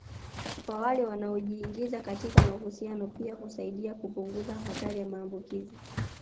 kwa wale wanaojiingiza katika mahusiano pia husaidia kupunguza hatari ya maambukizi